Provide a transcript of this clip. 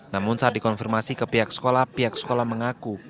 namun saat dikonfirmasi ke pihak sekolah pihak sekolah mengaku